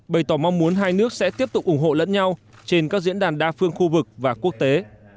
bày tỏ mong muốn hai nước sẽ tiếp tục ủng hộ lẫn nhau trên các diễn đàn đa phương khu vực và quốc tế